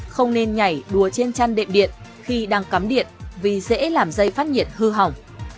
không nên nhảy đùa trên chăn đệm điện khi đang cắm điện vì dễ làm dây phát điện hư hỏng